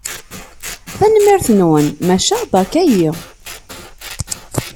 Tanemmirt-nwen, maca beṛka-iyi.